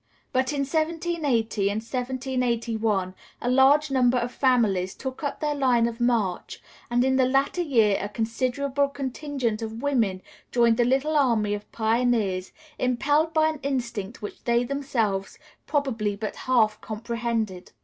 But in 1780 and 1781 a large number of families took up their line of march, and in the latter year a considerable contingent of women joined the little army of pioneers, impelled by an instinct which they themselves probably but half comprehended.